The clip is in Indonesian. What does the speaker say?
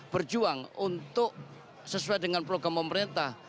berjuang untuk sesuai dengan program pemerintah